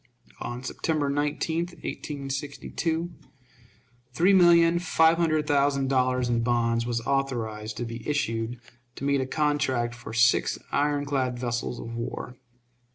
On September 19, 1862, three million five hundred thousand dollars in bonds was authorized to be issued to meet a contract for six iron clad vessels of war.